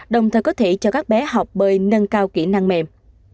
đồng thời có thể cho các bé học bơi nâng cao kỹ năng mềm